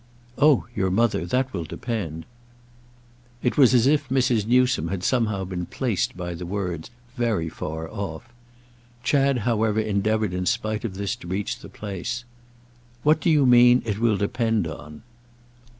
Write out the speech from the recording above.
"Oh your mother—that will depend." It was as if Mrs. Newsome had somehow been placed by the words very far off. Chad however endeavoured in spite of this to reach the place. "What do you mean it will depend on?"